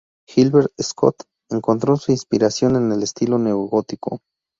Gilbert Scott encontró su inspiración en el estilo neogótico.